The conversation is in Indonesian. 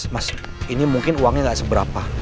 mas ini mungkin uangnya nggak seberapa